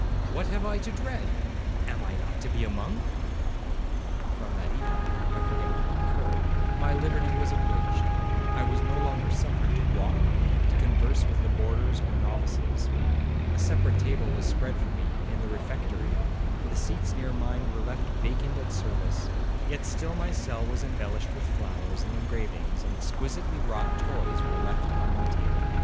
what have I to dread?—am I not to be a monk?' From that evening, (I forget when it occurred), my liberty was abridged; I was no longer suffered to walk, to converse with the boarders or novices,—a separate table was spread for me in the refectory,—the seats near mine were left vacant at service,—yet still my cell was embellished with flowers and engravings, and exquisitely wrought toys were left on my table.